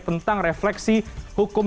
tentang refleksi hukum